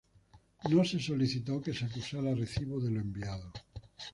No se solicitó que se acusara recibo de lo enviado.